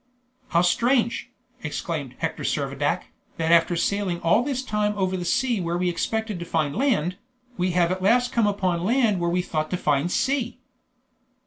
"How strange," exclaimed Hector Servadac, "that after sailing all this time over sea where we expected to find land, we have at last come upon land where we thought to find sea!"